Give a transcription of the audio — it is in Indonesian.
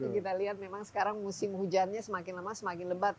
kita lihat memang sekarang musim hujannya semakin lama semakin lebat